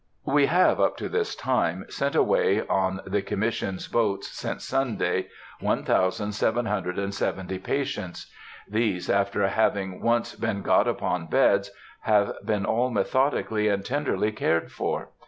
We have, up to this time, sent away on the Commission's boats, since Sunday, 1,770 patients. These, after having once been got upon beds, have been all methodically and tenderly cared for.